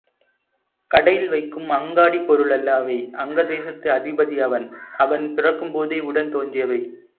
கடையில் வைக்கும் அங்காடிப் பொருள் அல்ல அவை அங்கதேசத்து அதிபதி அவன் அவன் பிறக்கும் போதே உடன் தோன்றியவை.